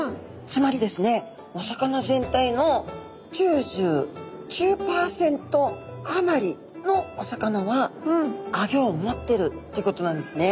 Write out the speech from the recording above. つまりですねお魚全体の９９％あまりのお魚はアギョを持ってるってことなんですね。